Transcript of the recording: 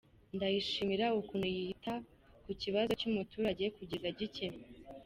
Ndayishimira ukuntu yita ku kibazo cy’umuturage kugeza gikemutse.